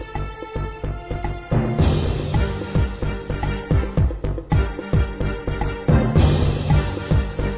ซึ้งว่ามันมีคันดีที่จะเคยช่วยมัน